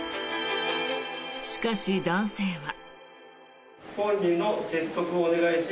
しかし、男性は。